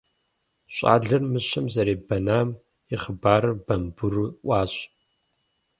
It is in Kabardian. ЩӀалэр мыщэм зэребэнам и хъыбарыр бамбыру Ӏуащ.